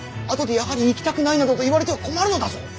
後でやはり行きたくないなどと言われては困るのだぞ！